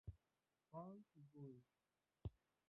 Pons i Guri.